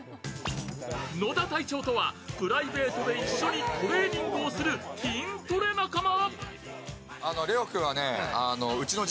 野田隊長とはプライベートで一緒にトレーニングをする筋トレ仲間。